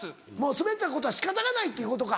スベったことは仕方がないということか？